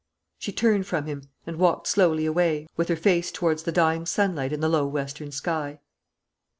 She turned from him, and walked slowly away, with her face towards the dying sunlight in the low western sky.